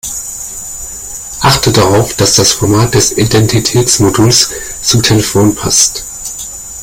Achte darauf, dass das Format des Identitätsmoduls zum Telefon passt.